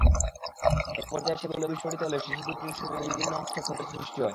একপর্যায়ে সেগুলো বিস্ফোরিত হলে শিশু দুটির শরীরের বিভিন্ন অংশে ক্ষতের সৃষ্টি হয়।